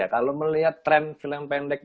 kalau melihat tren film pendek